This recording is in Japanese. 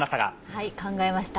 はい、考えました。